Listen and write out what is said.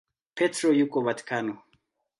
Petro huko Vatikano.